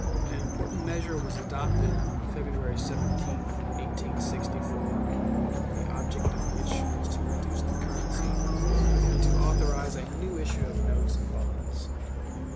An important measure was adopted on February 17, 1864, the object of which was to reduce the currency and to authorize a new issue of notes and bonds.